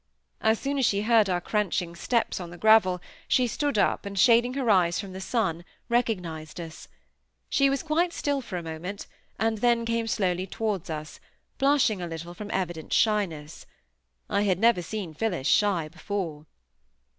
As soon as she heard our cranching steps on the gravel, she stood up, and shading her eyes from the sun, recognized us. She was quite still for a moment, and then came slowly towards us, blushing a little from evident shyness. I had never seen Phillis shy before.